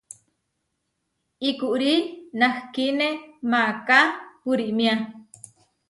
Ikurí nahkíne maaká purímia.